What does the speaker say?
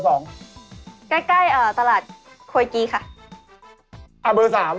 ใกล้ตลาดโคยกี้ค่ะอ่ะเบอร์๓